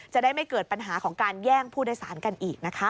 จะได้ไม่เกิดปัญหาของการแย่งผู้โดยสารกันอีกนะคะ